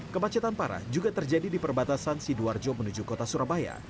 kemacetan parah juga terjadi di perbatasan sidoarjo menuju kota surabaya